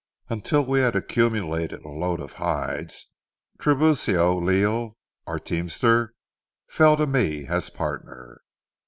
Until we had accumulated a load of hides, Tiburcio Leal, our teamster, fell to me as partner.